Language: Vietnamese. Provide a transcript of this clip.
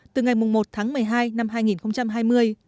từ ngày một tháng một mươi hai năm hai nghìn hai mươi